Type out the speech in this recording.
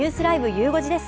ゆう５時です。